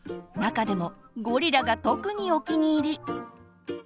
中でもゴリラが特にお気に入り。